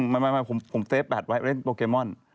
ไม่ผมเฟฟแตตไว้เล่นโปเกมอน